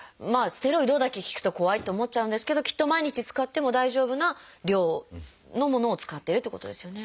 「ステロイド」だけ聞くと怖いって思っちゃうんですけどきっと毎日使っても大丈夫な量のものを使ってるってことですよね。